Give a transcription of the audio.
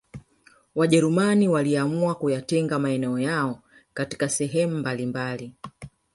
Wajerumani waliamua kuyatenga maeneo yao katika sehemu mbalimabali